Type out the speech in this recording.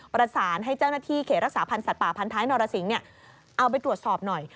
ประสานให้เจ้าหน้าที่เขตรักษาพันธ์สัตว์ป่าพันท้ายนรสิงศ์เอาไปตรวจสอบหน่อย